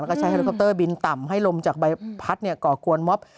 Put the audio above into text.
แล้วก็ใช้เฮลิคอปเตอร์บินต่ำให้ลมจากใบพัดก่อกวนม็อบ